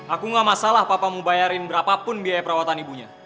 aku gak masalah papamu bayarin berapapun biaya pengobatan